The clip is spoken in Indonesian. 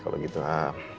kalau gitu ha